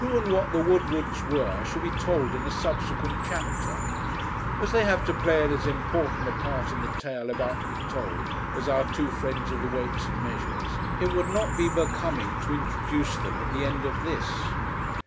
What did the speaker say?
Who and what the Woodwards were shall be told in a subsequent chapter. As they have to play as important a part in the tale about to be told as our two friends of the Weights and Measures, it would not be becoming to introduce them at the end of this.